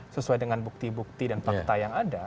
sesuai dengan bukti bukti dan fakta yang ada